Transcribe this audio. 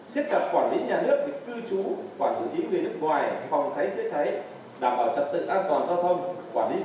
xếp chặt quản lý nhà nước tư chú quản lý người nước ngoài phòng thái giới thái đảm bảo trật tự an toàn giao thông